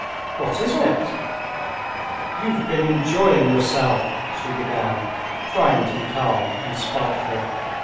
"What is it?" "You've been enjoying yourself," she began, trying to be calm and spiteful.